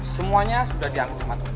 semuanya sudah dianggap sama tuhan